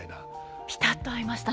ピタッと合いましたね。